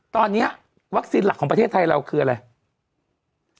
ตอนนี้วัคซีนหลักของประเทศไทยเราคืออะไร